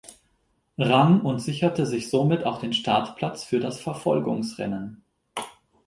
Rang und sicherte sich somit auch den Startplatz für das Verfolgungsrennen.